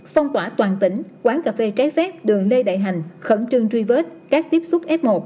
phong tỏa toàn tỉnh quán cà phê trái phép đường lê đại hành khẩn trương truy vết các tiếp xúc f một